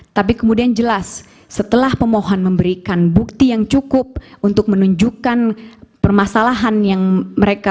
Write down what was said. tapi kemudian jelas setelah pemohon memberikan bukti yang cukup untuk menunjukkan permasalahan yang mereka